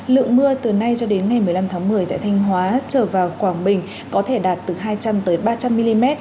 lượng mưa từ nay cho đến ngày một mươi năm tháng một mươi tại thanh hóa trở vào quảng bình có thể đạt từ hai trăm linh ba trăm linh mm